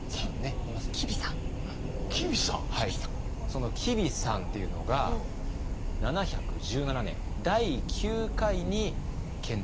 そのきびさんっていうのが７１７年第９回に遣唐使派遣されてます。